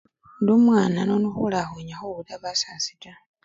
Indi umwana nono khulakhwenya khuwulila basasi taa.